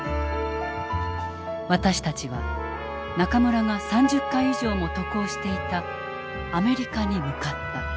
私たちは中村が３０回以上も渡航していたアメリカに向かった。